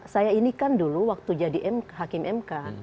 saya ini kan dulu waktu jadi hakim mk